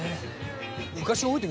昔。